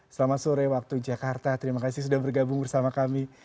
selamat sore waktu jakarta terima kasih sudah bergabung bersama kami